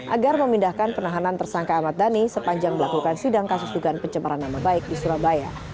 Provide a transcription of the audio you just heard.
agar memindahkan penahanan tersangka ahmad dhani sepanjang melakukan sidang kasus dugaan pencemaran nama baik di surabaya